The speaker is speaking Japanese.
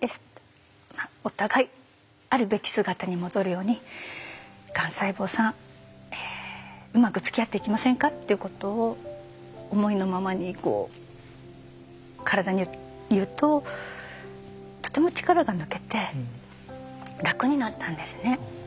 お互いあるべき姿に戻るように「がん細胞さんうまくつきあっていきませんか」ってことを思いのままにこう体に言うととても力が抜けて楽になったんですね。